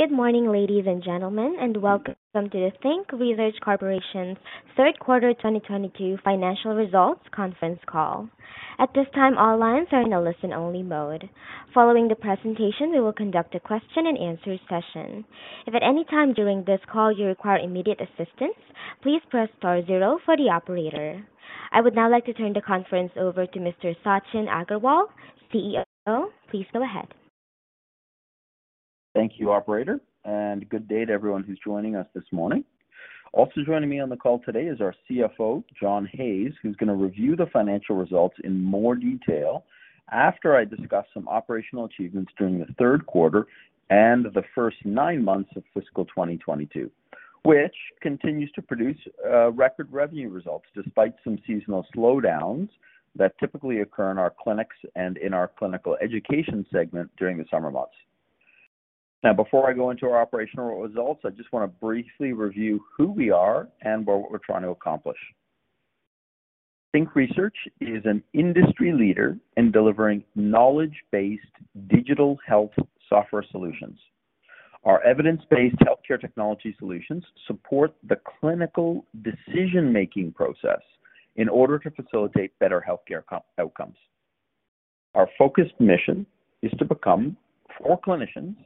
Good morning, ladies and gentlemen, and welcome to the Think Research Corporation's 3rd quarter 2022 financial results conference call. At this time, all lines are in a listen-only mode. Following the presentation, we will conduct a question-and-answer session. If at any time during this call you require immediate assistance, please press star zero for the operator. I would now like to turn the conference over to Mr. Sachin Aggarwal, CEO. Please go ahead. Thank you, operator. Good day to everyone who's joining us this morning. Also joining me on the call today is our CFO, John Hayes, who's going to review the financial results in more detail after I discuss some operational achievements during the third quarter and the first nine months of fiscal 2022, which continues to produce record revenue results despite some seasonal slowdowns that typically occur in our clinics and in our clinical education segment during the summer months. Before I go into our operational results, I just want to briefly review who we are and what we're trying to accomplish. Think Research is an industry leader in delivering knowledge-based digital health software solutions. Our evidence-based healthcare technology solutions support the clinical decision-making process in order to facilitate better healthcare outcomes. Our focused mission is to become, for clinicians,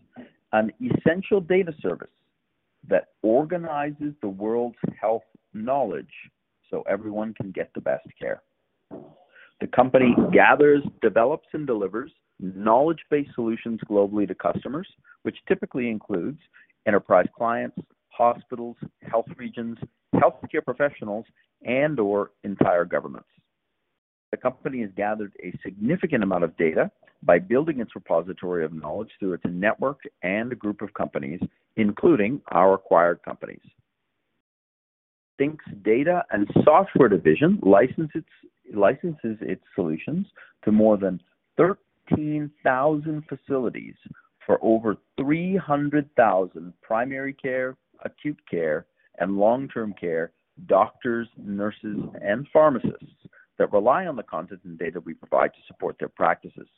an essential data service that organizes the world's health knowledge so everyone can get the best care. The company gathers, develops, and delivers knowledge-based solutions globally to customers, which typically includes enterprise clients, hospitals, health regions, healthcare professionals, and/or entire governments. The company has gathered a significant amount of data by building its repository of knowledge through its network and a group of companies, including our acquired companies. Think's data and software division licenses its solutions to more than 13,000 facilities for over 300,000 primary care, acute care, and long-term care doctors, nurses, and pharmacists that rely on the content and data we provide to support their practices.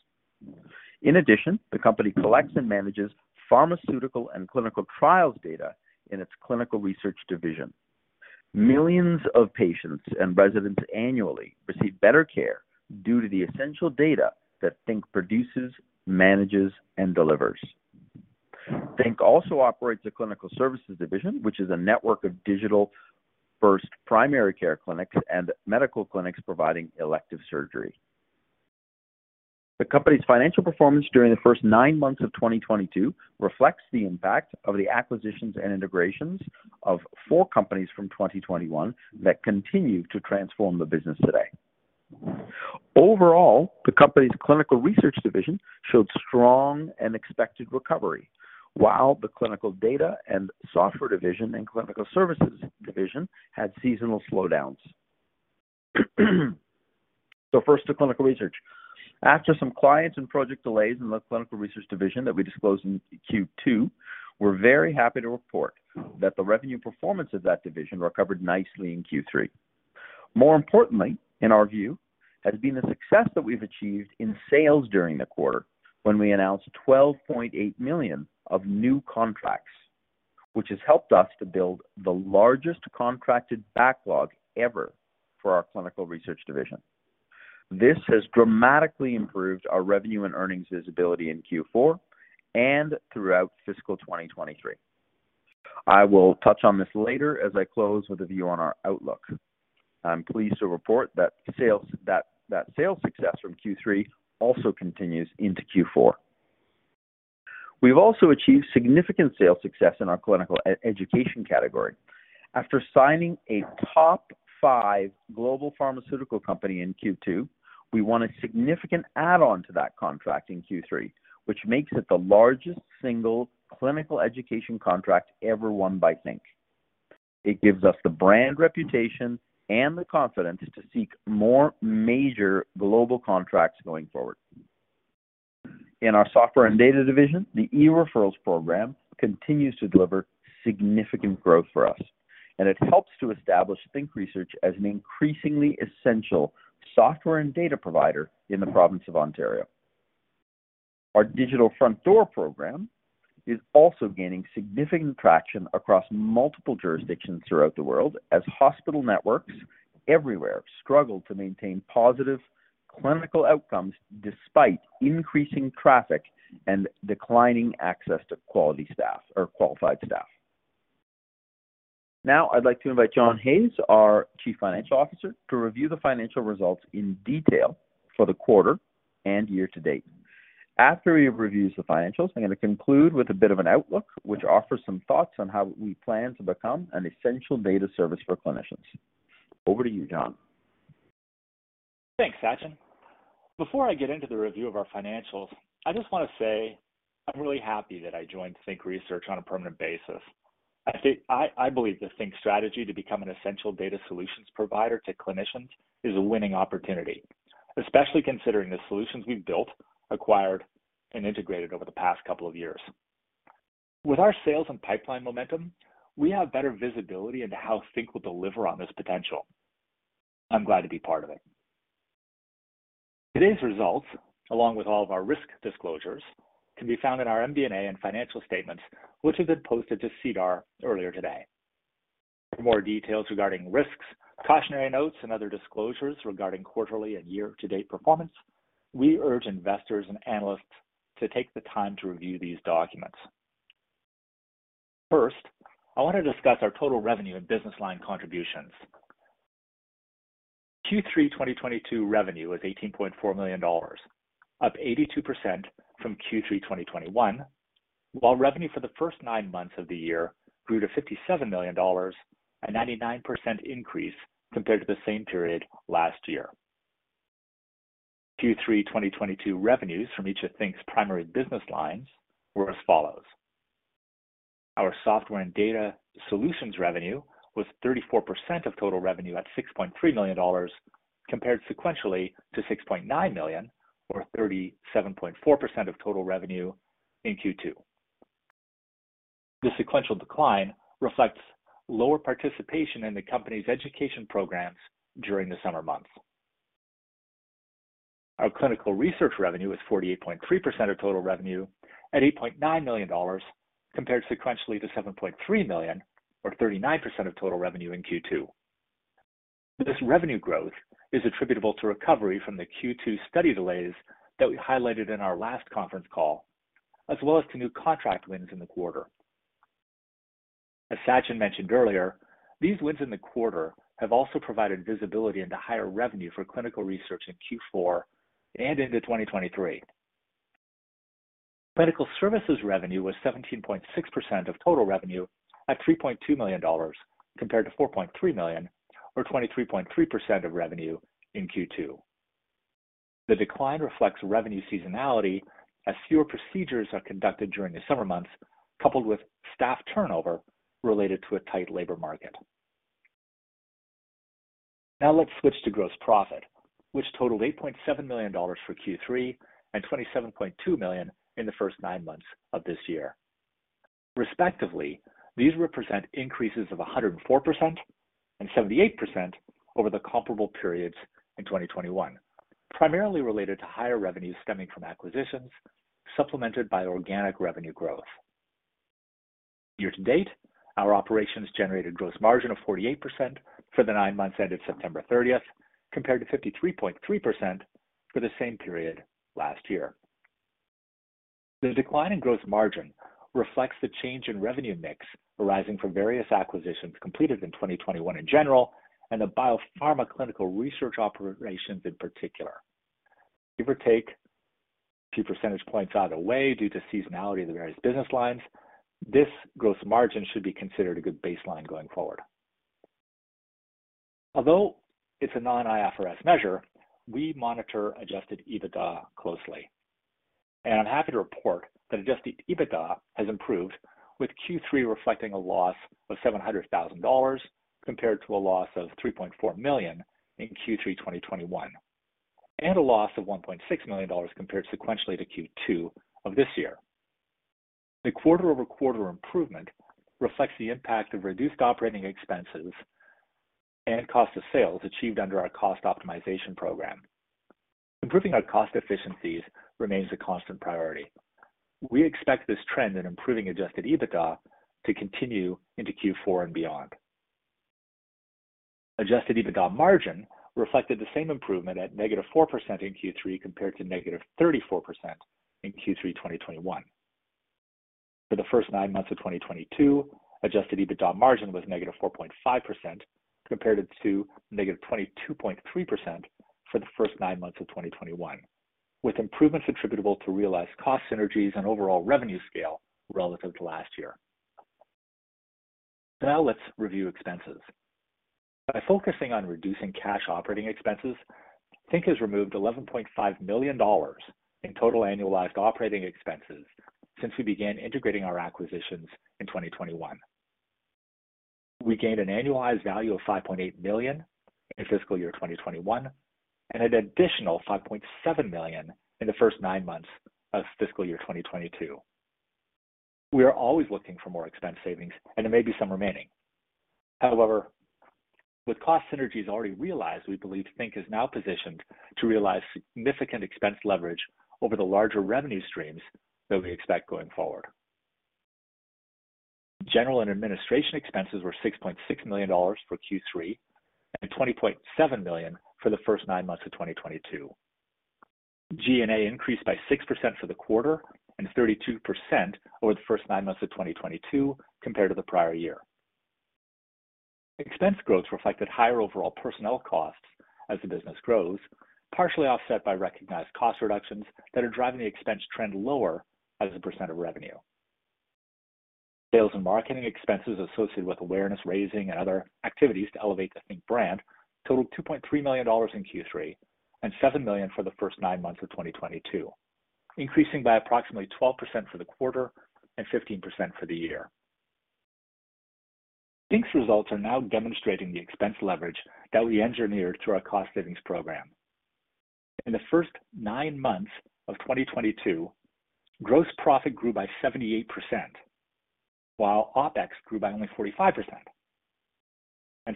The company collects and manages pharmaceutical and clinical trials data in its clinical research division. Millions of patients and residents annually receive better care due to the essential data that Think produces, manages, and delivers. Think also operates a clinical services division, which is a network of digital-first primary care clinics and medical clinics providing elective surgery. The company's financial performance during the first nine months of 2022 reflects the impact of the acquisitions and integrations of four companies from 2021 that continue to transform the business today. The company's clinical research division showed strong and expected recovery, while the clinical data and software division and clinical services division had seasonal slowdowns. First to clinical research. After some clients and project delays in the clinical research division that we disclosed in Q2, we're very happy to report that the revenue performance of that division recovered nicely in Q3. More importantly, in our view, has been the success that we've achieved in sales during the quarter when we announced 12.8 million of new contracts, which has helped us to build the largest contracted backlog ever for our clinical research division. This has dramatically improved our revenue and earnings visibility in Q4 and throughout fiscal 2023. I will touch on this later as I close with a view on our outlook. I'm pleased to report that sales success from Q3 also continues into Q4. We've also achieved significant sales success in our clinical education category. After signing a top five global pharmaceutical company in Q2, we won a significant add-on to that contract in Q3, which makes it the largest single clinical education contract ever won by Think. It gives us the brand reputation and the confidence to seek more major global contracts going forward. In our software and data division, the eReferrals program continues to deliver significant growth for us, and it helps to establish Think Research as an increasingly essential software and data provider in the province of Ontario. Our Digital Front Door program is also gaining significant traction across multiple jurisdictions throughout the world as hospital networks everywhere struggle to maintain positive clinical outcomes despite increasing traffic and declining access to quality staff or qualified staff. Now I'd like to invite John Hayes, our Chief Financial Officer, to review the financial results in detail for the quarter and year to date. After he reviews the financials, I'm gonna conclude with a bit of an outlook which offers some thoughts on how we plan to become an essential data service for clinicians. Over to you, John. Thanks, Sachin. Before I get into the review of our financials, I just wanna say I'm really happy that I joined Think Research on a permanent basis. I believe the Think strategy to become an essential data solutions provider to clinicians is a winning opportunity, especially considering the solutions we've built, acquired, and integrated over the past couple of years. With our sales and pipeline momentum, we have better visibility into how Think will deliver on this potential. I'm glad to be part of it. Today's results, along with all of our risk disclosures, can be found in our MD&A and financial statements, which have been posted to SEDAR earlier today. For more details regarding risks, cautionary notes, and other disclosures regarding quarterly and year-to-date performance, we urge investors and analysts to take the time to review these documents. First, I want to discuss our total revenue and business line contributions. Q3 2022 revenue was $18.4 million, up 82% from Q3 2021, while revenue for the first nine months of the year grew to $57 million, a 99% increase compared to the same period last year. Q3 2022 revenues from each of Think's primary business lines were as follows. Our software and data solutions revenue was 34% of total revenue at $6.3 million, compared sequentially to $6.9 million or 37.4% of total revenue in Q2. The sequential decline reflects lower participation in the company's education programs during the summer months. Our clinical research revenue was 48.3% of total revenue at $8.9 million, compared sequentially to $7.3 million or 39% of total revenue in Q2. This revenue growth is attributable to recovery from the Q2 study delays that we highlighted in our last conference call, as well as to new contract wins in the quarter. As Sachin mentioned earlier, these wins in the quarter have also provided visibility into higher revenue for clinical research in Q4 and into 2023. Medical services revenue was 17.6% of total revenue at $3.2 million, compared to $4.3 million or 23.3% of revenue in Q2. The decline reflects revenue seasonality as fewer procedures are conducted during the summer months, coupled with staff turnover related to a tight labor market. Now let's switch to gross profit, which totaled $8.7 million for Q3 and $27.2 million in the first nine months of this year. Respectively, these represent increases of 104% and 78% over the comparable periods in 2021, primarily related to higher revenues stemming from acquisitions, supplemented by organic revenue growth. Year to date, our operations generated gross margin of 48% for the 9 months ended September 30th, compared to 53.3% for the same period last year. The decline in gross margin reflects the change in revenue mix arising from various acquisitions completed in 2021 in general and the BioPharma clinical research operations in particular. Give or take 2 percentage points either way due to seasonality of the various business lines, this gross margin should be considered a good baseline going forward. Although it's a non-IFRS measure, we monitor adjusted EBITDA closely. I'm happy to report that adjusted EBITDA has improved, with Q3 reflecting a loss of 700,000 dollars compared to a loss of 3.4 million in Q3 2021, and a loss of 1.6 million dollars compared sequentially to Q2 of this year. The quarter-over-quarter improvement reflects the impact of reduced operating expenses and cost of sales achieved under our cost optimization program. Improving our cost efficiencies remains a constant priority. We expect this trend in improving adjusted EBITDA to continue into Q4 and beyond. Adjusted EBITDA margin reflected the same improvement at -4% in Q3 compared to -34% in Q3 2021. For the first nine months of 2022, adjusted EBITDA margin was -4.5% compared to -22.3% for the first nine months of 2021, with improvements attributable to realized cost synergies and overall revenue scale relative to last year. Let's review expenses. By focusing on reducing cash operating expenses, Think has removed 11.5 million dollars in total annualized operating expenses since we began integrating our acquisitions in 2021. We gained an annualized value of 5.8 million in fiscal year 2021 and an additional 5.7 million in the first nine months of fiscal year 2022. With cost synergies already realized, we believe Think is now positioned to realize significant expense leverage over the larger revenue streams that we expect going forward. General and administration expenses were 6.6 million dollars for Q3 and 20.7 million for the first nine months of 2022. G&A increased by 6% for the quarter and 32% over the first nine months of 2022 compared to the prior year. Expense growth reflected higher overall personnel costs as the business grows, partially offset by recognized cost reductions that are driving the expense trend lower as a % of revenue. Sales and marketing expenses associated with awareness raising and other activities to elevate the Think brand totaled 2.3 million dollars in Q3 and 7 million for the first nine months of 2022, increasing by approximately 12% for the quarter and 15% for the year. Think's results are now demonstrating the expense leverage that we engineered through our cost savings program. In the first nine months of 2022, gross profit grew by 78%, while OpEx grew by only 45%.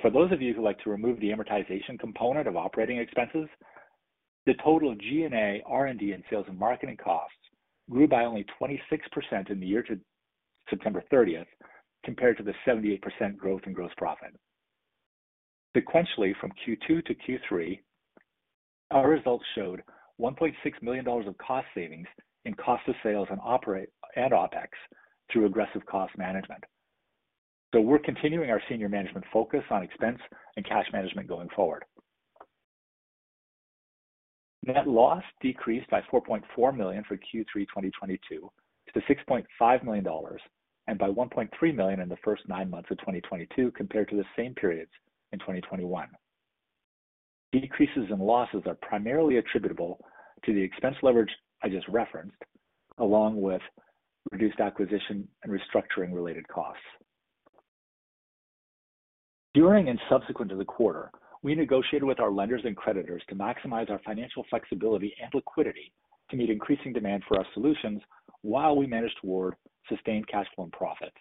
For those of you who like to remove the amortization component of operating expenses, the total G&A, R&D, and sales and marketing costs grew by only 26% in the year to September 30th, compared to the 78% growth in gross profit. Sequentially, from Q2 to Q3, our results showed 1.6 million dollars of cost savings in cost of sales and OpEx through aggressive cost management. We're continuing our senior management focus on expense and cash management going forward. Net loss decreased by 4.4 million for Q3 2022 to 6.5 million dollars, and by 1.3 million in the first nine months of 2022 compared to the same periods in 2021. Decreases in losses are primarily attributable to the expense leverage I just referenced, along with reduced acquisition and restructuring related costs. During and subsequent to the quarter, we negotiated with our lenders and creditors to maximize our financial flexibility and liquidity to meet increasing demand for our solutions while we manage toward sustained cash flow and profits.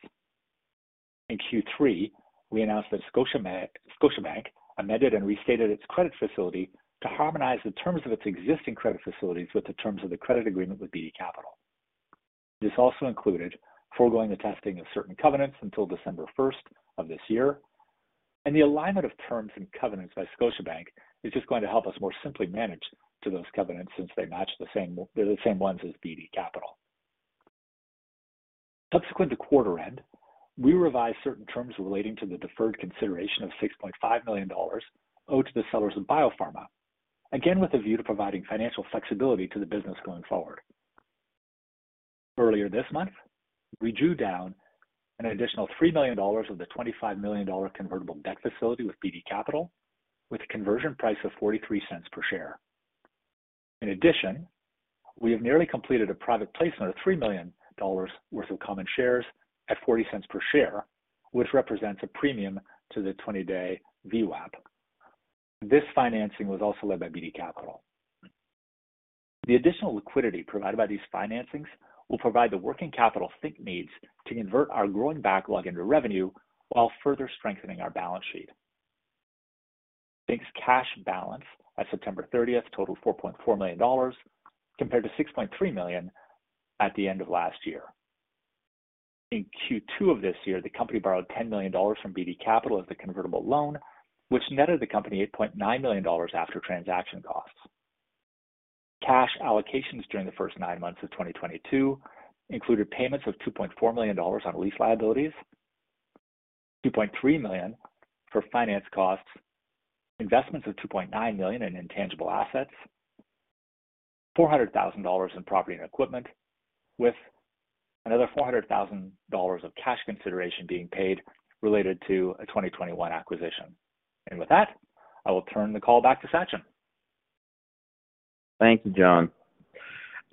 In Q3, we announced that Scotiabank amended and restated its credit facility to harmonize the terms of its existing credit facilities with the terms of the credit agreement with Beedie Capital. This also included foregoing the testing of certain covenants until December 1st of this year. The alignment of terms and covenants by Scotiabank is just going to help us more simply manage to those covenants since they match the same ones as Beedie Capital. Subsequent to quarter end, we revised certain terms relating to the deferred consideration of 6.5 million dollars owed to the sellers of BioPharma, again, with a view to providing financial flexibility to the business going forward. Earlier this month, we drew down an additional 3 million dollars of the 25 million dollar convertible debt facility with Beedie Capital with a conversion price of 0.43 per share. In addition, we have nearly completed a private placement of 3 million dollars worth of common shares at 0.40 per share, which represents a premium to the 20-day VWAP. This financing was also led by Beedie Capital. The additional liquidity provided by these financings will provide the working capital Think needs to convert our growing backlog into revenue while further strengthening our balance sheet. Think's cash balance at September thirtieth totaled 4.4 million dollars compared to 6.3 million at the end of last year. In Q2 of this year, the company borrowed 10 million dollars from Beedie Capital as the convertible loan, which netted the company 8.9 million dollars after transaction costs. Cash allocations during the first nine months of 2022 included payments of 2.4 million dollars on lease liabilities, 2.3 million for finance costs, investments of 2.9 million in intangible assets, 400,000 dollars in property and equipment, with another 400,000 dollars of cash consideration being paid related to a 2021 acquisition. With that, I will turn the call back to Sachin. Thank you, John.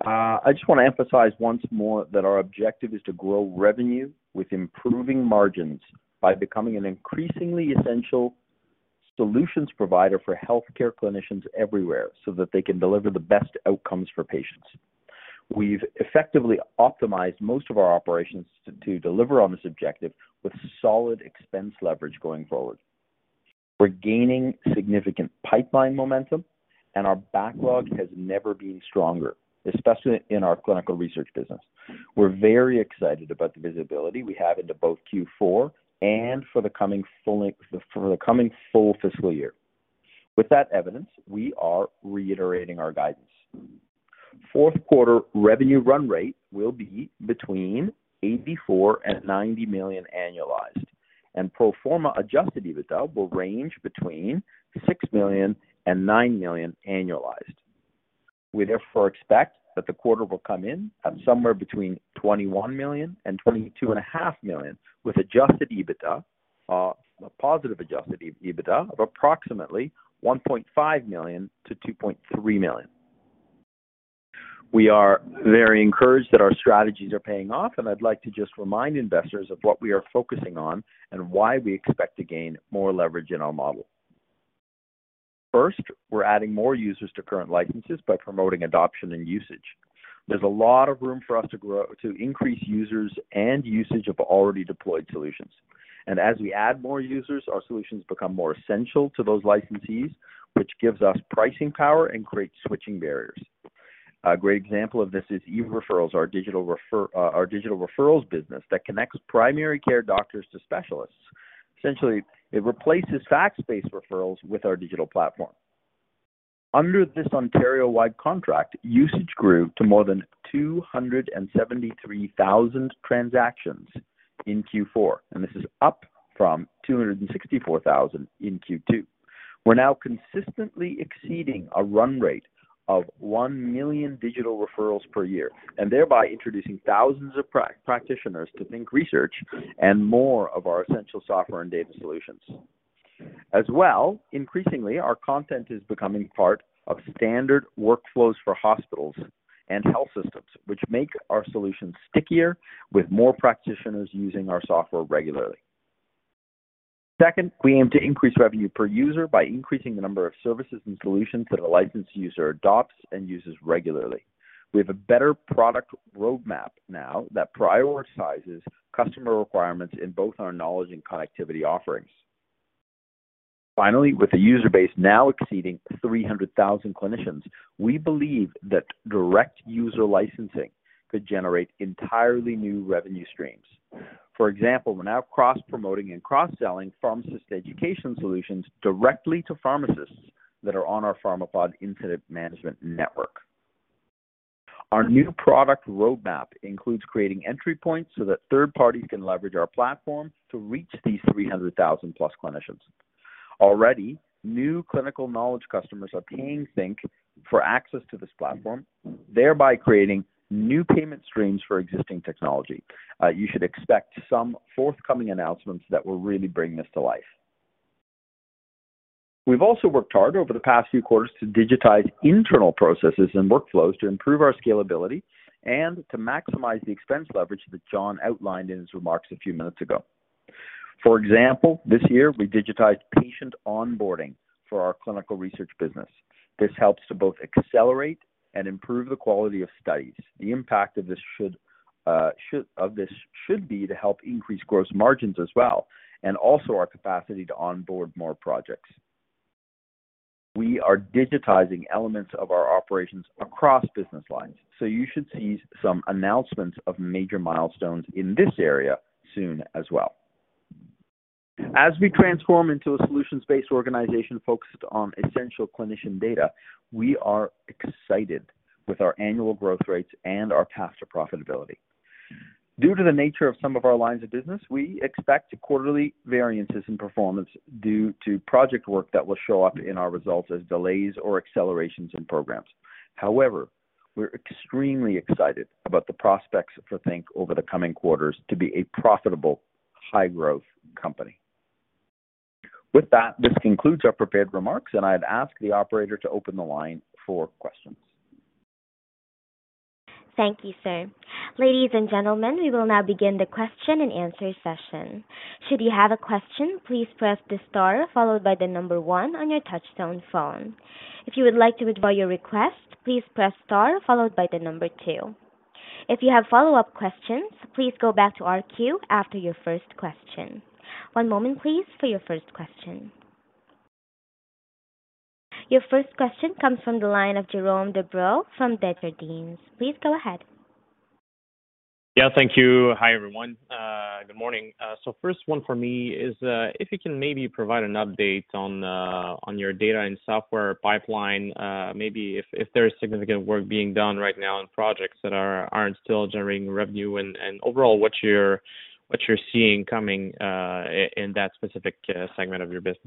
I just wanna emphasize once more that our objective is to grow revenue with improving margins by becoming an increasingly essential solutions provider for healthcare clinicians everywhere so that they can deliver the best outcomes for patients. We've effectively optimized most of our operations to deliver on this objective with solid expense leverage going forward. We're gaining significant pipeline momentum. Our backlog has never been stronger, especially in our clinical research business. We're very excited about the visibility we have into both Q4 and for the coming full fiscal year. With that evidence, we are reiterating our guidance. Fourth quarter revenue run rate will be between 84 million and 90 million annualized, and pro forma adjusted EBITDA will range between 6 million and 9 million annualized. We therefore expect that the quarter will come in at somewhere between 21 million and 22.5 million, with adjusted EBITDA, a positive adjusted EBITDA of approximately 1.5 million to 2.3 million. We are very encouraged that our strategies are paying off, and I'd like to just remind investors of what we are focusing on and why we expect to gain more leverage in our model. First, we're adding more users to current licenses by promoting adoption and usage. There's a lot of room for us to grow to increase users and usage of already deployed solutions. As we add more users, our solutions become more essential to those licensees, which gives us pricing power and creates switching barriers. A great example of this is eReferrals, our digital referrals business that connects primary care doctors to specialists. Essentially, it replaces fax-based referrals with our digital platform. Under this Ontario-wide contract, usage grew to more than 273,000 transactions in Q4. This is up from 264,000 in Q2. We're now consistently exceeding a run rate of 1 million digital referrals per year and thereby introducing thousands of practitioners to Think Research and more of our essential software and data solutions. Increasingly, our content is becoming part of standard workflows for hospitals and health systems, which make our solutions stickier, with more practitioners using our software regularly. Second, we aim to increase revenue per user by increasing the number of services and solutions that a licensed user adopts and uses regularly. We have a better product roadmap now that prioritizes customer requirements in both our knowledge and connectivity offerings. Finally, with a user base now exceeding 300,000 clinicians, we believe that direct user licensing could generate entirely new revenue streams. For example, we're now cross-promoting and cross-selling pharmacist education solutions directly to pharmacists that are on our Pharmapod incident management network. Our new product roadmap includes creating entry points so that third parties can leverage our platform to reach these 300,000 plus clinicians. Already, new clinical knowledge customers are paying Think for access to this platform, thereby creating new payment streams for existing technology. You should expect some forthcoming announcements that will really bring this to life. We've also worked hard over the past few quarters to digitize internal processes and workflows to improve our scalability and to maximize the expense leverage that John outlined in his remarks a few minutes ago. For example, this year we digitized patient onboarding for our clinical research business. This helps to both accelerate and improve the quality of studies. The impact of this should be to help increase gross margins as well, and also our capacity to onboard more projects. You should see some announcements of major milestones in this area soon as well. As we transform into a solutions-based organization focused on essential clinician data, we are excited with our annual growth rates and our path to profitability. Due to the nature of some of our lines of business, we expect quarterly variances in performance due to project work that will show up in our results as delays or accelerations in programs. We're extremely excited about the prospects for Think over the coming quarters to be a profitable, high-growth company. With that, this concludes our prepared remarks, and I'd ask the operator to open the line for questions. Thank you, sir. Ladies and gentlemen, we will now begin the question-and-answer session. Should you have a question, please press the star followed by one on your touchtone phone. If you would like to withdraw your request, please press star followed by two. If you have follow-up questions, please go back to our queue after your first question. One moment please, for your first question. Your first question comes from the line of Jérôme Dubreuil from Desjardins. Please go ahead. Yeah, thank you. Hi, everyone. Good morning. First one for me is, if you can maybe provide an update on your data and software pipeline, maybe if there's significant work being done right now on projects that are, aren't still generating revenue and overall, what you're seeing coming in that specific segment of your business.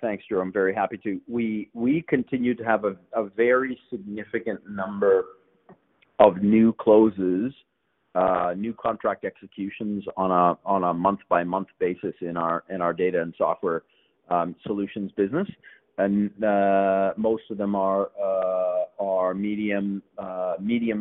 Thanks, Jérôme. Very happy to. We continue to have a very significant number of new closes, new contract executions on a month-by-month basis in our data and software solutions business. Most of them are medium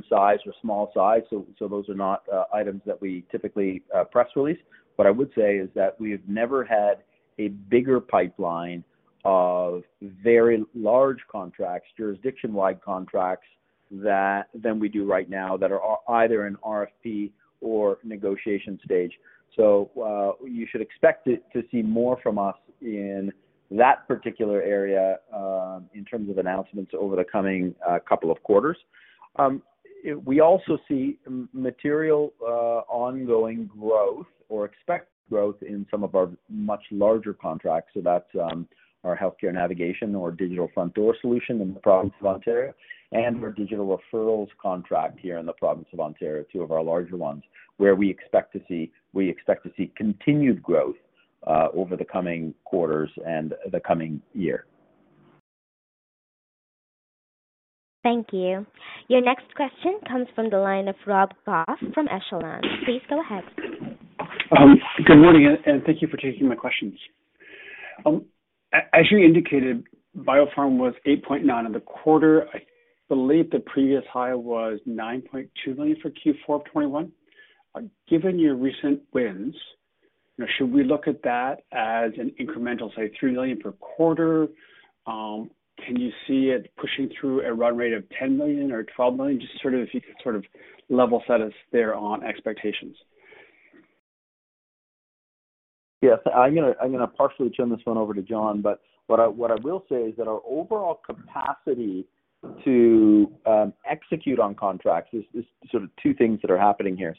size or small size. Those are not items that we typically press release. What I would say is that we have never had a bigger pipeline of very large contracts, jurisdiction-wide contracts than we do right now that are either in RFP or negotiation stage. You should expect it to see more from us in that particular area in terms of announcements over the coming couple of quarters. We also see material ongoing growth or expect growth in some of our much larger contracts. That's our healthcare navigation or Digital Front Door solution in the province of Ontario and our eReferrals contract here in the province of Ontario, two of our larger ones, where we expect to see continued growth over the coming quarters and the coming year. Thank you. Your next question comes from the line of Rob Goff from Echelon. Please go ahead. Good morning, and thank you for taking my questions. As you indicated, BioPharma was 8.9 million in the quarter. I believe the previous high was 9.2 million for Q4 of 2021. Given your recent wins, you know, should we look at that as an incremental, say, 3 million per quarter? Can you see it pushing through a run rate of 10 million or 12 million? Just sort of if you could sort of level set us there on expectations. Yes. I'm gonna partially turn this one over to John, what I will say is that our overall capacity to execute on contracts is sort of two things that are happening here.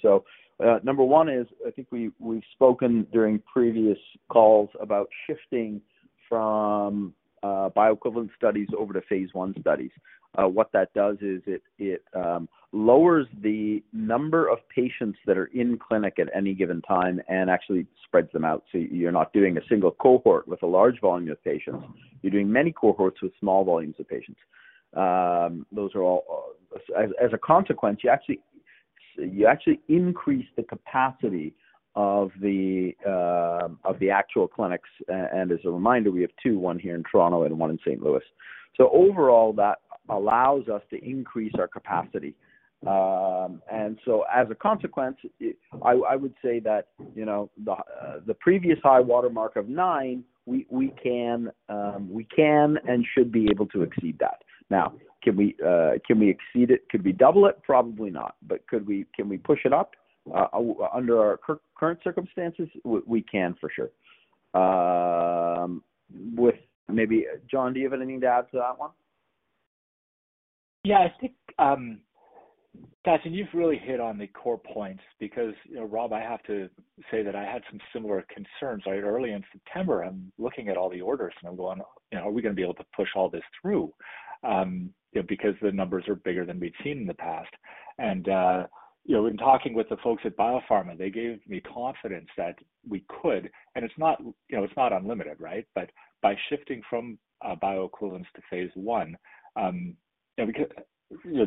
Number one is, I think we've spoken during previous calls about shifting from bioequivalent studies over to Phase I studies. What that does is it lowers the number of patients that are in clinic at any given time and actually spreads them out. You're not doing a single cohort with a large volume of patients. You're doing many cohorts with small volumes of patients. As a consequence, you actually increase the capacity of the actual clinics. And as a reminder, we have two, one here in Toronto and one in St. Louis. Overall, that allows us to increase our capacity. As a consequence, I would say that, you know, the previous high watermark of nine, we can and should be able to exceed that. Can we exceed it? Could we double it? Probably not. Could we push it up under our current circumstances? We can for sure. With maybe... John, do you have anything to add to that one? Yeah, I think, Jérôme, you've really hit on the core points because, you know, Rob, I have to say that I had some similar concerns. Early in September, I'm looking at all the orders and I'm going, "Are we going to be able to push all this through?" You know, the numbers are bigger than we've seen in the past. You know, in talking with the folks at BioPharma, they gave me confidence that we could. It's not, you know, it's not unlimited, right? By shifting from bioequivalence to Phase I, you know,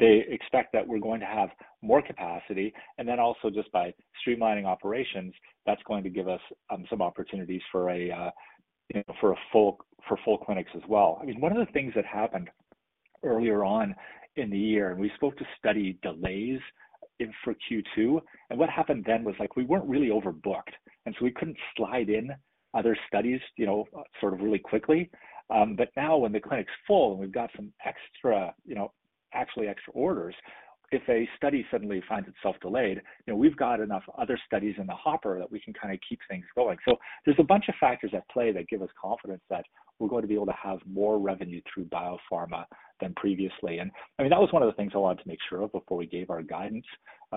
they expect that we're going to have more capacity, and then also just by streamlining operations, that's going to give us some opportunities for a, you know, for full clinics as well. I mean, one of the things that happened earlier on in the year, we spoke to study delays for Q2. What happened then was, like, we weren't really overbooked, and so we couldn't slide in other studies, you know, sort of really quickly. Now when the clinic's full and we've got some extra, you know, actually extra orders, if a study suddenly finds itself delayed, you know, we've got enough other studies in the hopper that we can kinda keep things going. There's a bunch of factors at play that give us confidence that we're going to be able to have more revenue through BioPharma than previously. I mean, that was one of the things I wanted to make sure of before we gave our guidance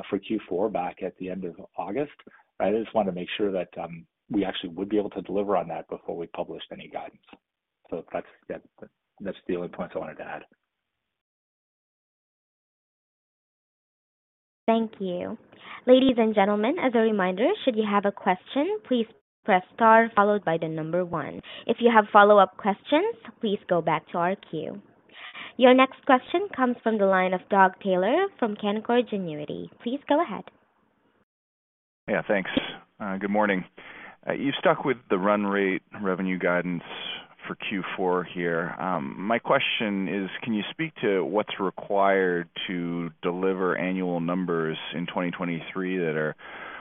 for Q4 back at the end of August. I just wanted to make sure that we actually would be able to deliver on that before we published any guidance. That's, yeah, that's the only points I wanted to add. Thank you. Ladies and gentlemen, as a reminder, should you have a question, please press star followed by the number one. If you have follow-up questions, please go back to our queue. Your next question comes from the line of Doug Taylor from Canaccord Genuity. Please go ahead. Thanks. Good morning. You stuck with the run rate revenue guidance for Q4 here. My question is, can you speak to what's required to deliver annual numbers in 2023 that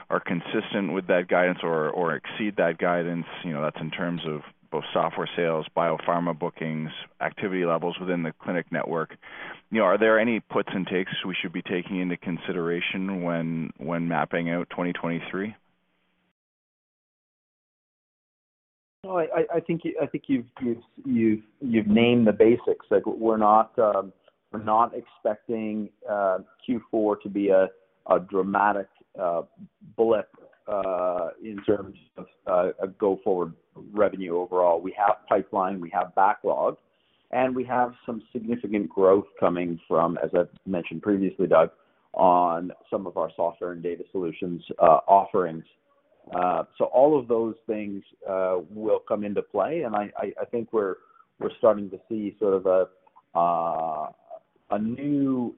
are consistent with that guidance or exceed that guidance? You know, that's in terms of both software sales, BioPharma bookings, activity levels within the clinic network. You know, are there any puts and takes we should be taking into consideration when mapping out 2023? No, I think you've named the basics. Like, we're not expecting Q4 to be a dramatic blip in terms of a go-forward revenue overall. We have pipeline, we have backlog, and we have some significant growth coming from, as I've mentioned previously, Doug, on some of our software and data solutions offerings. All of those things will come into play, and I think we're starting to see sort of a new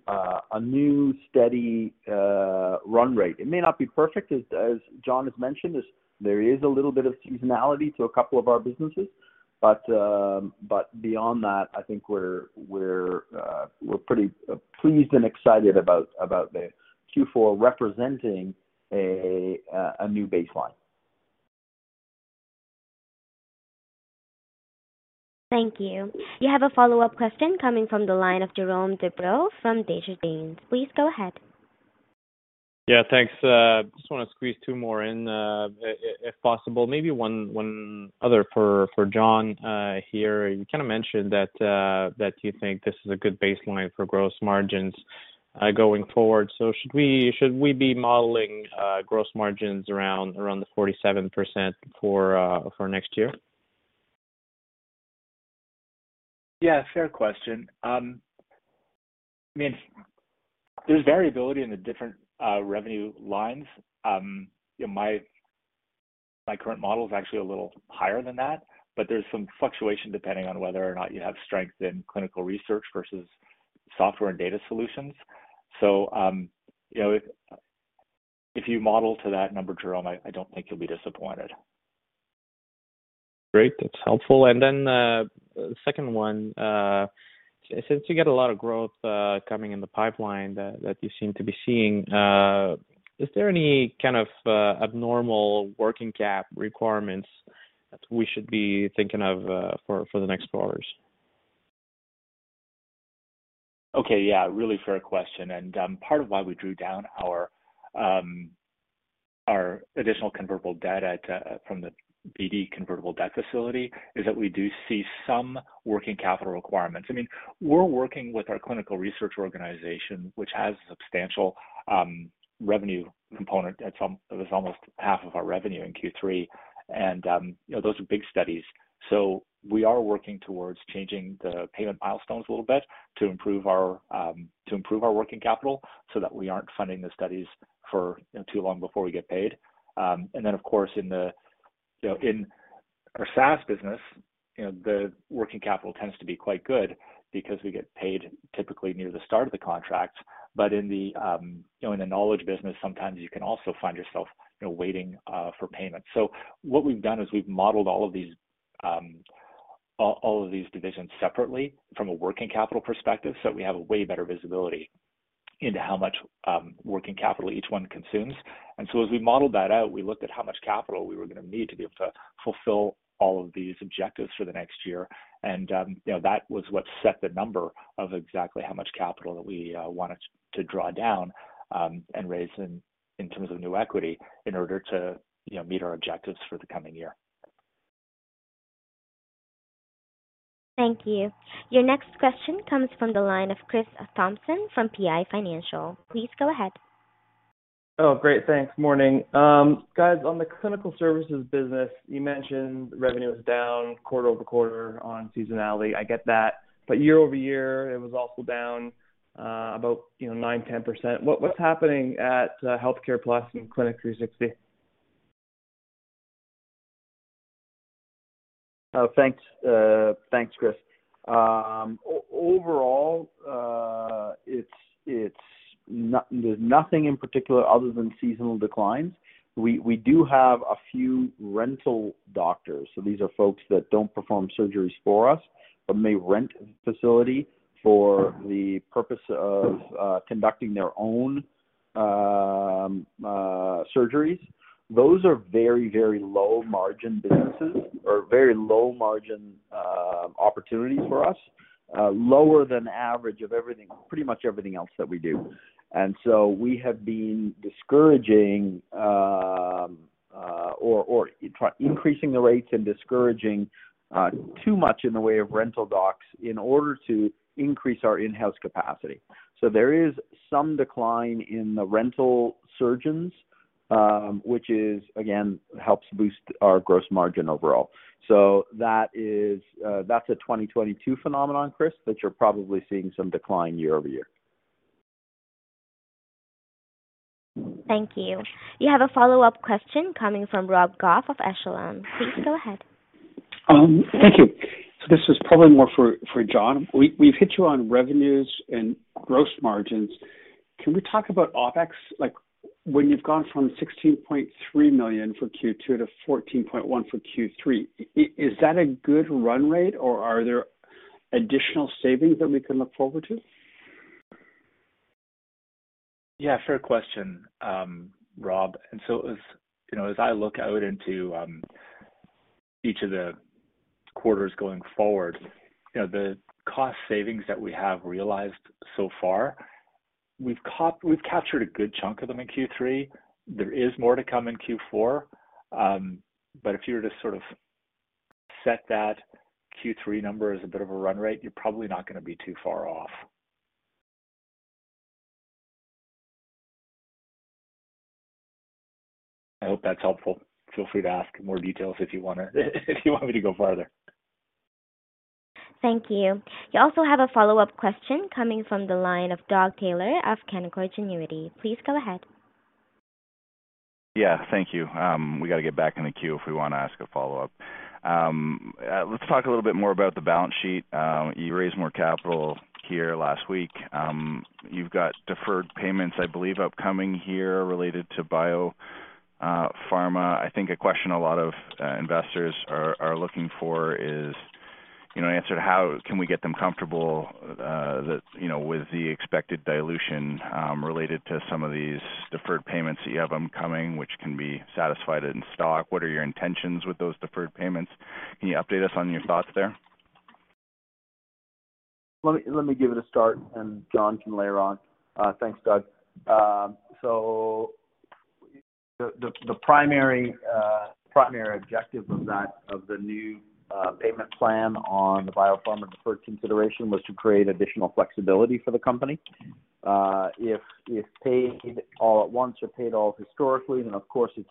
steady run rate. It may not be perfect, as John has mentioned, as there is a little bit of seasonality to a couple of our businesses. Beyond that, I think we're pretty pleased and excited about the Q4 representing a new baseline. Thank you. You have a follow-up question coming from the line of Jérôme Dubreuil from Desjardins. Please go ahead. Yeah, thanks. Just wanna squeeze two more in, if possible, maybe one other for John here. You kinda mentioned that you think this is a good baseline for gross margins going forward. Should we be modeling gross margins around the 47% for next year? Yeah, fair question. I mean, there's variability in the different revenue lines. You know, my current model is actually a little higher than that, but there's some fluctuation depending on whether or not you have strength in clinical research versus software and data solutions. You know, if you model to that number, Jerome, I don't think you'll be disappointed. Great. That's helpful. Then, second one, since you get a lot of growth coming in the pipeline that you seem to be seeing, is there any kind of abnormal working cap requirements that we should be thinking of for the next quarters? Okay. Yeah. Really fair question. Part of why we drew down our additional convertible debt from the Beedie convertible debt facility is that we do see some working capital requirements. I mean, we're working with our clinical research organization, which has a substantial revenue component. It was almost half of our revenue in Q3. You know, those are big studies. We are working towards changing the payment milestones a little bit to improve our to improve our working capital so that we aren't funding the studies for, you know, too long before we get paid. Of course, in the, you know, in our SaaS business, you know, the working capital tends to be quite good because we get paid typically near the start of the contract. In the, you know, in the knowledge business, sometimes you can also find yourself, you know, waiting for payment. What we've done is we've modeled all of these divisions separately from a working capital perspective, so we have a way better visibility into how much working capital each one consumes. As we modeled that out, we looked at how much capital we were gonna need to be able to fulfill all of these objectives for the next year. You know, that was what set the number of exactly how much capital that we wanted to draw down and raise in terms of new equity in order to, you know, meet our objectives for the coming year. Thank you. Your next question comes from the line of Chris Thompson from PI Financial. Please go ahead. Oh, great. Thanks. Morning. Guys, on the clinical services business, you mentioned revenue is down quarter-over-quarter on seasonality. I get that. year-over-year it was also down, about, you know, 9%-10%. What's happening at HealthCare Plus and Clinic 360? Thanks, thanks, Chris. Overall, there's nothing in particular other than seasonal declines. We do have a few rental doctors. These are folks that don't perform surgeries for us but may rent a facility for the purpose of conducting their own surgeries. Those are very low margin businesses or very low margin opportunities for us, lower than average of everything, pretty much everything else that we do. We have been discouraging or try increasing the rates and discouraging too much in the way of rental docs in order to increase our in-house capacity. There is some decline in the rental surgeons, which is again helps boost our gross margin overall. That is that's a 2022 phenomenon, Chris, but you're probably seeing some decline year-over-year. Thank you. You have a follow-up question coming from Rob Goff of Echelon. Please go ahead. Thank you. This is probably more for John. We've hit you on revenues and gross margins. Can we talk about OpEx? Like when you've gone from 16.3 million for Q2 to 14.1 for Q3, is that a good run rate or are there additional savings that we can look forward to? Yeah, fair question, Rob. As, you know, as I look out into, each of the quarters going forward, you know, the cost savings that we have realized so far, we've captured a good chunk of them in Q3. There is more to come in Q4. If you were to sort of set that Q3 number as a bit of a run rate, you're probably not gonna be too far off. I hope that's helpful. Feel free to ask more details if you want me to go farther. Thank you. You also have a follow-up question coming from the line of Doug Taylor of Canaccord Genuity. Please go ahead. Yeah, thank you. We gotta get back in the queue if we wanna ask a follow-up. Let's talk a little bit more about the balance sheet. You raised more capital here last week. You've got deferred payments, I believe upcoming here related to BioPharma. I think a question a lot of investors are looking for is, you know, an answer to how can we get them comfortable that, you know, with the expected dilution related to some of these deferred payments that you have them coming which can be satisfied in stock. What are your intentions with those deferred payments? Can you update us on your thoughts there? Let me give it a start and John can layer on. Thanks, Doug. The primary objective of the new payment plan on the BioPharma deferred consideration was to create additional flexibility for the company. If paid all at once or paid all historically, then of course it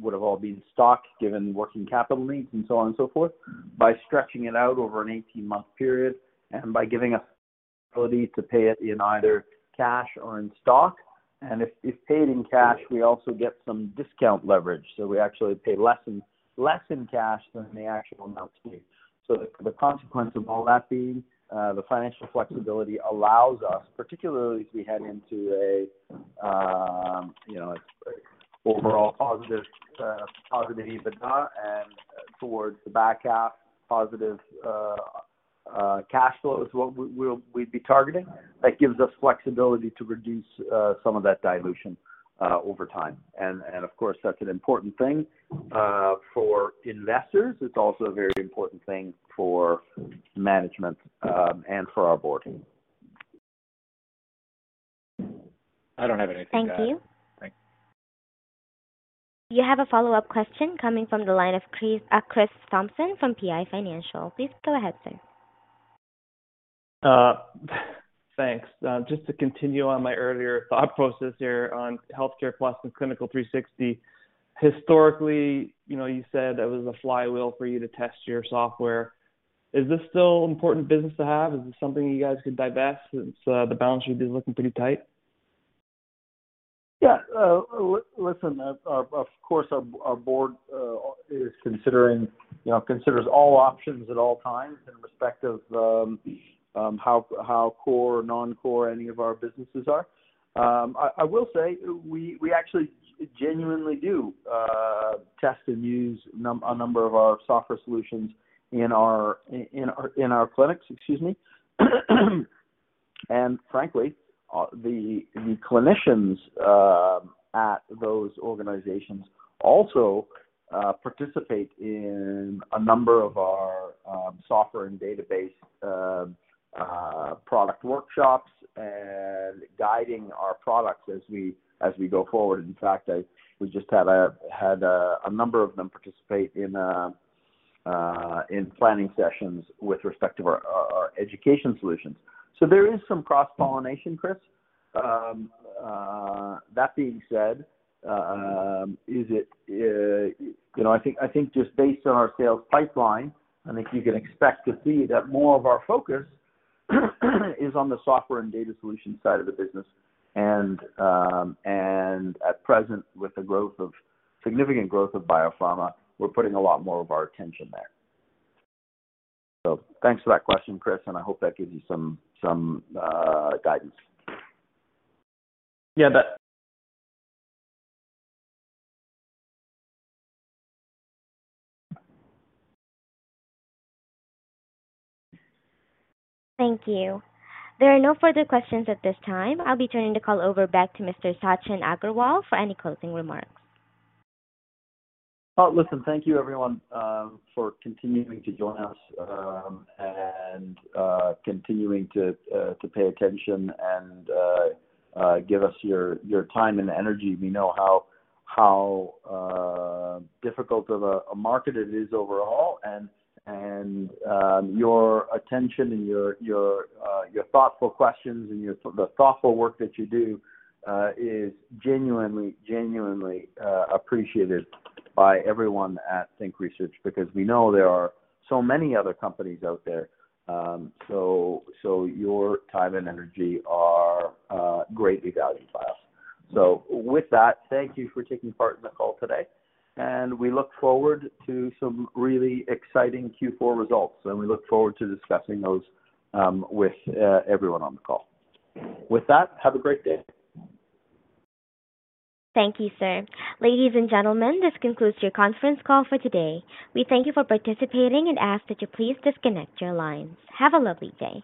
would have all been stock given working capital needs and so on and so forth. By stretching it out over an 18-month period and by giving us ability to pay it in either cash or in stock. If paid in cash, we also get some discount leverage, so we actually pay less in cash than the actual amount due. The consequence of all that being the financial flexibility allows us, particularly as we head into a, you know, overall positive positive EBITDA and towards the back half positive cash flow is what we'd be targeting. That gives us flexibility to reduce some of that dilution over time. Of course, that's an important thing for investors. It's also a very important thing for management and for our board. I don't have anything to add. Thank you. Thanks. You have a follow-up question coming from the line of Chris Thompson from PI Financial. Please go ahead, sir. Thanks. Just to continue on my earlier thought process here on HealthCare Plus and Clinic 360. Historically, you know, you said it was a flywheel for you to test your software. Is this still important business to have? Is this something you guys could divest since, the balance sheet is looking pretty tight? Yeah. Listen, of course our board is considering, you know, considers all options at all times in respect of how core or non-core any of our businesses are. I will say we actually genuinely do test and use a number of our software solutions in our clinics, excuse me. Frankly, the clinicians at those organizations also participate in a number of our software and database product workshops Guiding our products as we go forward. In fact, we just had a number of them participate in planning sessions with respect to our education solutions. There is some cross-pollination, Chris. That being said, you know, I think just based on our sales pipeline, I think you can expect to see that more of our focus is on the software and data solution side of the business. At present, with the significant growth of BioPharma, we're putting a lot more of our attention there. Thanks for that question, Chris, and I hope that gives you some guidance. Yeah. Thank you. There are no further questions at this time. I'll be turning the call over back to Mr. Sachin Aggarwal for any closing remarks. Oh, listen, thank you everyone, for continuing to join us, and continuing to pay attention and give us your time and energy. We know how difficult of a market it is overall, and your attention and your thoughtful questions and your, the thoughtful work that you do, is genuinely appreciated by everyone at Think Research because we know there are so many other companies out there. Your time and energy are greatly valued by us. With that, thank you for taking part in the call today, and we look forward to some really exciting Q4 results, and we look forward to discussing those with everyone on the call. With that, have a great day. Thank you, sir. Ladies and gentlemen, this concludes your conference call for today. We thank you for participating and ask that you please disconnect your lines. Have a lovely day.